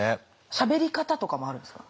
しゃべり方とかもあるんですか？